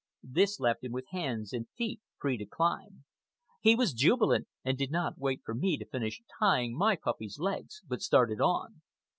This left him with hands and feet free to climb. He was jubilant, and did not wait for me to finish tying my puppy's legs, but started on.